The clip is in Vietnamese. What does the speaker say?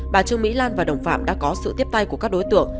bà trương mỹ lan và đồng phạm đã có sự tiếp tay của các đối tượng